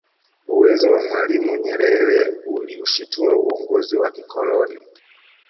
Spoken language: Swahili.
Uwezo wa mwalimu Nyerere uliushitua uongozi wa kikoloni